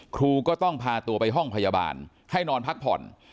ครูก็ต้องพาตัวไปห้องพยาบาลให้นอนพักผ่อน